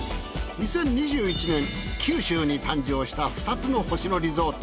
２０２１年九州に誕生した２つの星野リゾート。